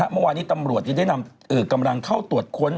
เมื่อวานี้ตำรวจจึงได้นำกำลังเข้าตรวจค้น